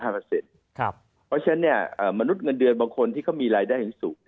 เพราะฉะนั้นมนุษย์เงินเดือนบางคนที่เขามีรายได้ที่สูง